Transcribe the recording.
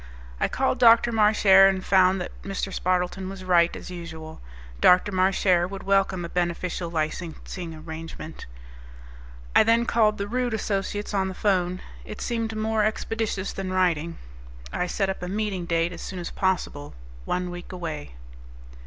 I called Dr. Marchare and found that Mr. Spardleton was right, as usual. Dr. Marchare would welcome a beneficial licensing arrangement. I then called the Rude Associates on the phone; it seemed more expeditious than writing. I set up a meeting date as soon as possible, one week away.